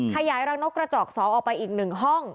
ขยายรังนกกระจอก๒ออกไปอีกหนึ่งห้อง